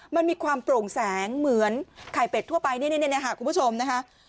มันมีความโปร่งแสงเหมือนไข่เป็ดทั่วไปนี่ค่ะคุณผู้ชมนะคะ